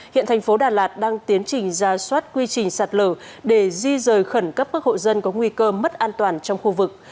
hiện thành phố đà lạt đang tiến trình ra soát quy trình sạt lở để di rời khẩn cấp các hộ dân có nguy cơ mất an toàn trong khu vực